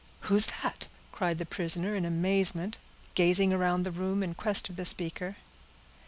"Who's that?" cried the prisoner, in amazement, gazing around the room in quest of the speaker.